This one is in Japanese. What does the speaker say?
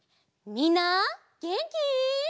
みんなげんき？